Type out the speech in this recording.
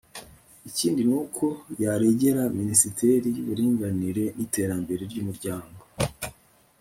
ikindi nuko yaregera minisiteri y'uburinganire n'iterambere ry'umuryango